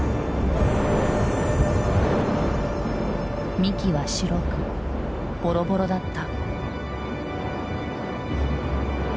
幹は白くボロボロだった。